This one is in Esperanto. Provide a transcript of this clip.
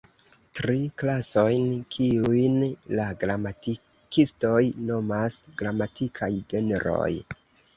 Tri klasojn, kiujn la gramatikistoj nomas gramatikaj genroj.